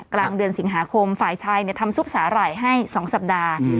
กลางเดือนสิงหาคมฝ่ายชายทำซุปสาหร่ายให้๒สัปดาห์